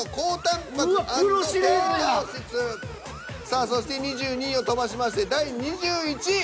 さあそして２２位を飛ばしまして第２１位。